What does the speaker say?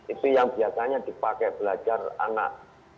itu yang biasanya dipakai belajar anak empat puluh